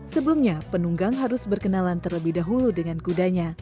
sebelumnya penunggang harus berkenalan terlebih dahulu dengan kudanya